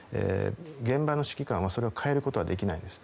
現場の指揮官はそれを変えることはできないんです。